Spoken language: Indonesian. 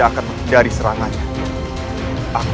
hai harus beinang